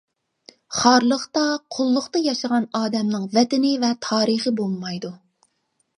خارلىقتا، قۇللۇقتا ياشىغان ئادەمنىڭ ۋەتىنى ۋە تارىخى بولمايدۇ.